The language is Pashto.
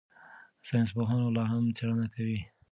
ساینسپوهان لا هم څېړنه کوي.